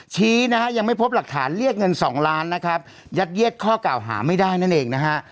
ชี้นะฮะยังไม่พบหลักฐานเรียกเงินสองล้านนะครับยัดเย็ดข้อเก่าหาไม่ได้นั่นเองนะฮะ